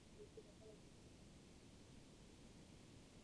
Mambo yanayopelekea ugonjwa kutokea